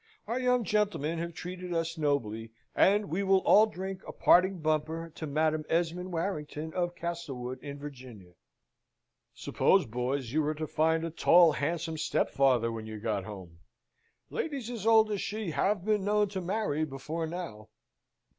Our young gentlemen have treated us nobly, and we will all drink a parting bumper to Madam Esmond Warrington of Castlewood, in Virginia. Suppose, boys, you were to find a tall, handsome stepfather when you got home? Ladies as old as she have been known to marry before now."